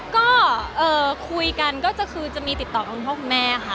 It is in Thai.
ก็คุยกันก็คือจะมีติดต่อคุณพ่อคุณแม่ค่ะ